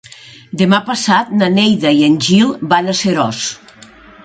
Demà passat na Neida i en Gil van a Seròs.